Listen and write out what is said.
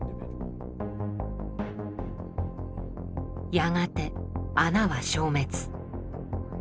やがて穴は消滅。